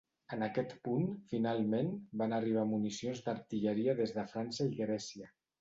En aquest punt, finalment, van arribar municions d'artilleria des de França i Grècia.